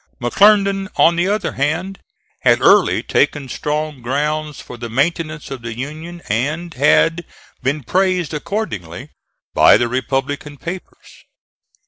McClernand, on the other hand, had early taken strong grounds for the maintenance of the Union and had been praised accordingly by the Republican papers.